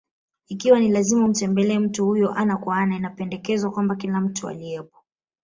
Ikiwa ni lazima umtembelee mtu huyo ana kwa ana, inapendekezwa kwamba kila mtu aliyepo: